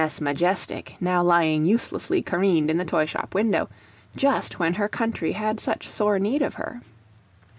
S. Majestic, now lying uselessly careened in the toyshop window, just when her country had such sore need of her.